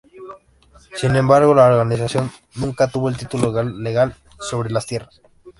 Sin embargo, la organización nunca tuvo el título legal sobre las tierras.